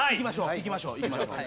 いきましょういきましょう。